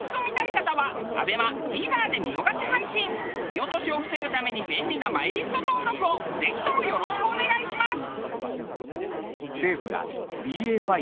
見落としを防ぐために便利なマイリスト登録をぜひともよろしくお願いします。